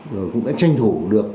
rồi cũng đã tranh thủ được